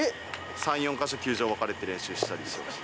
３、４か所球場分かれて練習したりしてました。